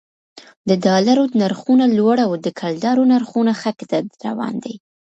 د ډالرو نرخونه لوړ او د کلدارو نرخونه ښکته روان دي